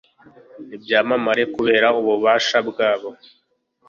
n'ibyamamare kubera ububasha bwabo